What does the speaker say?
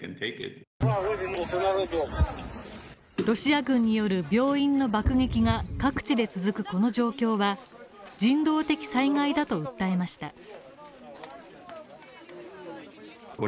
ロシア軍による病院の爆撃が各地で続くこの状況は人道的災害だと訴えました。